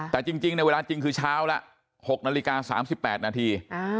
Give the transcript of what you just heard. แต่จริงในเวลาจริงคือเช้าละ๖นาฬิกา๓๘นาที